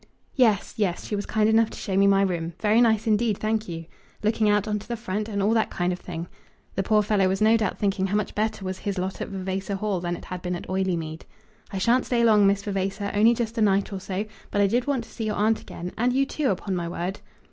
"Yes; yes. She was kind enough to show me my room. Very nice indeed, thank you; looking out into the front, and all that kind of thing." The poor fellow was no doubt thinking how much better was his lot at Vavasor Hall than it had been at Oileymead. "I shan't stay long, Miss Vavasor, only just a night or so; but I did want to see your aunt again, and you, too, upon my word."